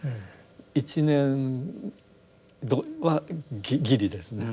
１年度はギリですね。